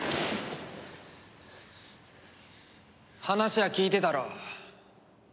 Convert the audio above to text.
話は聞いてたろ。